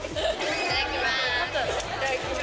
いただきます。